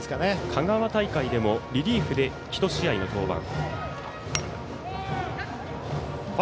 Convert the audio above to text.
香川大会でもリリーフで１試合の登板。